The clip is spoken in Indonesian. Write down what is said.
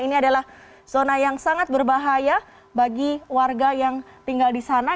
ini adalah zona yang sangat berbahaya bagi warga yang tinggal di sana